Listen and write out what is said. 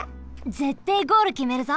ぜってえゴールきめるぞ！